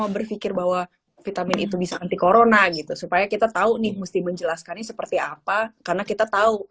berpikir bahwa vitamin itu bisa anti corona gitu supaya kita tahu nih mesti menjelaskannya seperti apa karena kita tahu